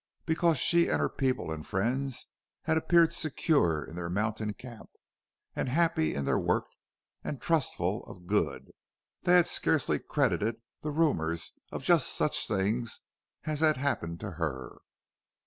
Because she and her people and friends had appeared secure in their mountain camp and happy in their work and trustful of good, they had scarcely credited the rumors of just such things as had happened to her.